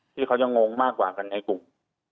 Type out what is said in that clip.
ที่เขายังงงมากกว่ากันในกรุง